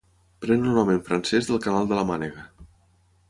Pren el nom en francès del canal de la Mànega.